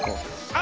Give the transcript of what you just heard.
あ！